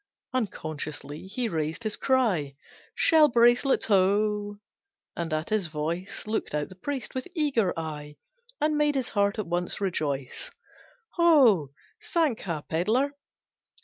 Unconsciously he raised his cry, "Shell bracelets ho!" And at his voice Looked out the priest, with eager eye, And made his heart at once rejoice. "Ho, Sankha pedlar!